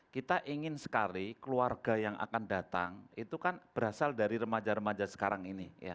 kita ingin sekali keluarga yang akan datang itu kan berasal dari remaja remaja sekarang ini